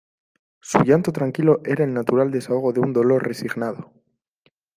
Su llanto tranquilo era el natural desahogo de un dolor resignado.